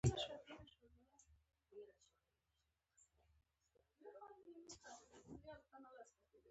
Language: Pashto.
د چاپ ټکنالوژۍ سره د سلطان دښمني د درک وړ ده.